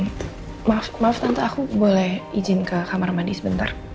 maaf maaf tante aku boleh izin ke kamar mandi sebentar